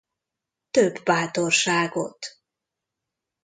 Több bátorságot!